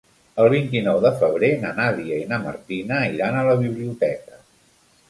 El vint-i-nou de febrer na Nàdia i na Martina iran a la biblioteca.